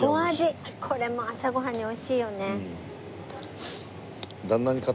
これも朝ご飯に美味しいよね。